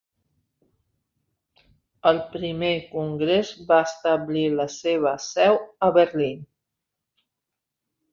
El Primer Congrés va establir la seva seu a Berlín.